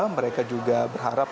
mereka juga berharap